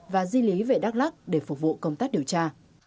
và di lý về đắk lắc để phục vụ công tác điều tra